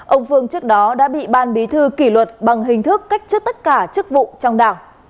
ông phương trước đó đã bị ban bí thư kỷ luật bằng hình thức cách chức tất cả chức vụ trong đảng